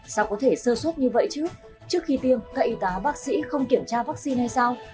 sao có thể sơ suốt như vậy chứ trước khi tiêm thầy y tá bác sĩ không kiểm tra vaccine hay sao